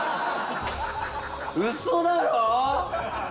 ウソだろ！？